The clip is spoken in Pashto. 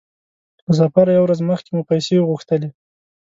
له سفره يوه ورځ مخکې مو پیسې وغوښتلې.